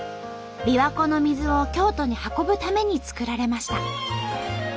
琵琶湖の水を京都に運ぶために造られました。